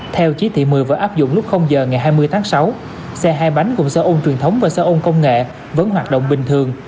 theo chí thị mười vợ áp dụng lúc giờ ngày hai mươi tháng sáu xe hai bánh cùng xe ôn truyền thống và xe ôn công nghệ vẫn hoạt động bình thường